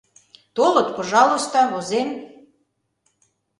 Толыт — пожалуйста, возем.